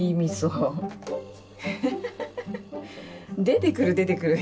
出てくる出てくる。